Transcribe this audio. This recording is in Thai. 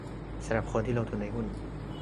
สำหรับคนที่ลงทุนในหุ้น